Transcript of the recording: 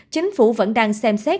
chính phủ vẫn đang xem xét